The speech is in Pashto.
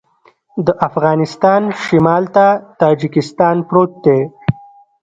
د افغانستان شمال ته تاجکستان پروت دی